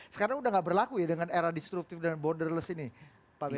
sekarang udah gak berlaku ya dengan era destruktif dan borderless ini pak benny